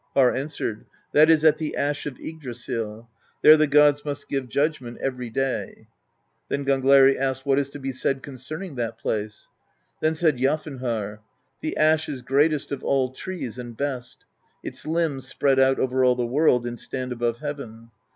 '' Harr answered: "That is at the Ash of Yggdrasill; there the gods must give judgment every day." Then Gangleri asked :" What is to be said con cerning that place?" Then said Jafnharr: "The Ash is greatest of all trees and best : its limbs spread out over all the world and stand above heaven.